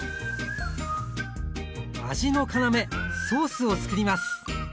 味の要ソースをつくります